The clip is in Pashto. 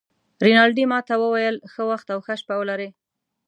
رینالډي ما ته وویل: ښه وخت او ښه شپه ولرې.